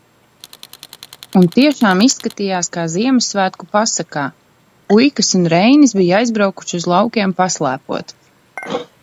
Un tiešām izskatījās kā Ziemassvētku pasakā. Puikas un Reinis bija aizbraukuši uz laukiem paslēpot.